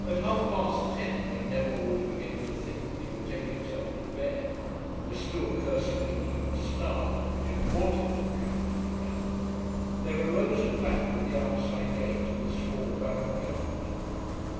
At half past ten, when Neville was beginning to think that he would take himself to bed, and was still cursing the evil star which had brought him to County Clare, there arose a clatter at the outside gate of the small barrack yard.